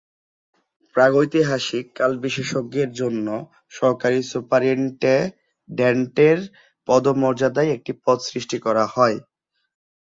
প্রাগৈতিহাসিক কাল বিশেষজ্ঞের জন্য সহকারী সুপারিন্টেডেন্টের পদ মর্যাদায় একটি পদ সষ্টি করা হয়।